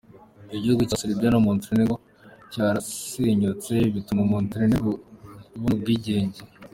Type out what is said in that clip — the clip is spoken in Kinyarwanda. Igihugu cya Serbia na Montenegro cyarasenyutse, bituma Montenegro ibona ubwigenge.